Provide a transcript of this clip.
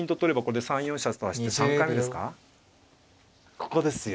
ここですよ。